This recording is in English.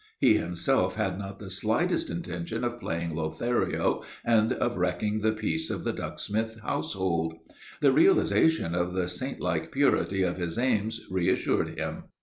He himself had not the slightest intention of playing Lothario and of wrecking the peace of the Ducksmith household. The realization of the saint like purity of his aims reassured him.